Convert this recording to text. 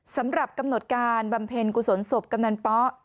สำหรับกำหนดการบำเพ็ญกุศลศพกำนันป๊อ